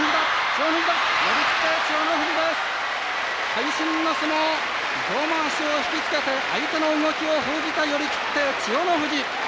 両まわしを引き付けて相手の動きを封じて寄り切って、千代の富士。